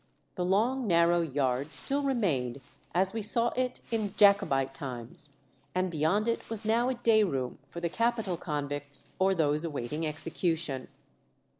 The long narrow yard still remained as we saw it in Jacobite times, and beyond it was now a day room for the capital convicts or those awaiting execution.